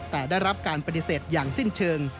แต่ได้รับการปฏิเสธอย่างสิ้นเชิง